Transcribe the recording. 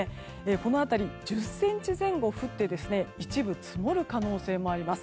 この辺り、１０ｃｍ前後降って一部積もる可能性もあります。